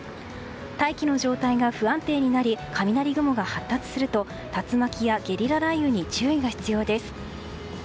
大気の状態が不安定になり雷雲が発達すると竜巻やゲリラ雷雨に注意が必要です。